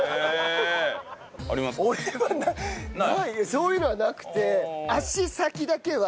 そういうのはなくて。